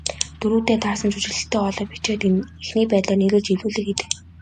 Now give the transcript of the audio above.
Дүрүүддээ таарсан жүжиглэлттэй хоолой бичээд, эхний байдлаар нийлүүлж эвлүүлэг хийдэг.